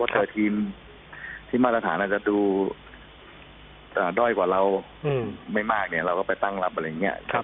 ถ้าทีมที่มาตรฐานอาจจะดูด้อยกว่าเราไม่มากเนี่ยเราก็ไปตั้งรับอะไรอย่างนี้